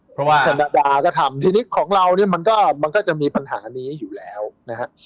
เพราะว่าแคนนาดาจะทำทีนี้ของเรานี่มันก็จะมีปัญหานี้อยู่แล้วนะฮะ